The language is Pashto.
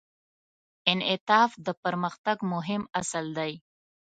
انعطاف د پرمختګ مهم اصل دی.